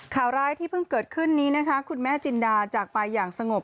ข่าวร้ายที่เพิ่งเกิดขึ้นนี้นะคะคุณแม่จินดาจากไปอย่างสงบ